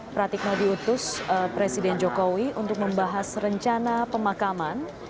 pratikno diutus presiden jokowi untuk membahas rencana pemakaman